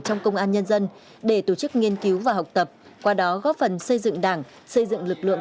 trong công an nhân dân để tổ chức nghiên cứu và học tập qua đó góp phần xây dựng đảng xây dựng lực lượng